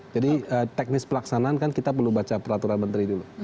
jadi teknis pelaksanaan kan kita perlu baca peraturan menteri dulu